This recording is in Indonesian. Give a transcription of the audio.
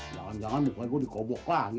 jangan jangan pokoknya gua dikobok lagi